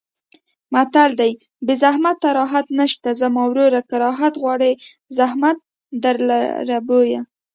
متل دی: بې زحمته راحت نشته زما وروره که راحت غواړې زحمت درلره بویه.